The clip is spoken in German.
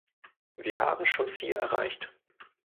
Wir haben schon viel erreicht.